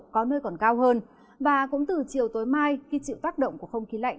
có nơi còn cao hơn và cũng từ chiều tối mai khi chịu tác động của không khí lạnh